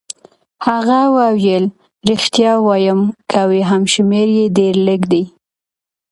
هغه وویل: ریښتیا وایم، که وي هم شمېر يې ډېر لږ دی.